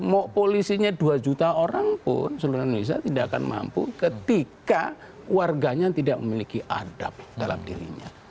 mau polisinya dua juta orang pun seluruh indonesia tidak akan mampu ketika warganya tidak memiliki adab dalam dirinya